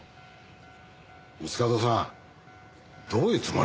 三ツ門さんどういうつもり？